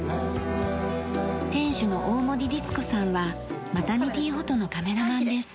店主の大森律子さんはマタニティフォトのカメラマンです。